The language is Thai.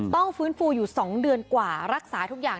ต้องฟื้นฟูอยู่๒เดือนกว่ารักษาทุกอย่าง